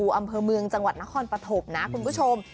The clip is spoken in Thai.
ความเพิ่มเมืองจังหวัดนครปฐพนะคุณผู้ชม